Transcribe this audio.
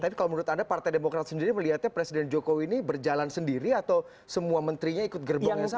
tapi kalau menurut anda partai demokrat sendiri melihatnya presiden jokowi ini berjalan sendiri atau semua menterinya ikut gerbong yang sama